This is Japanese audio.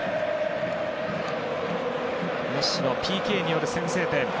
メッシのＰＫによる先制点。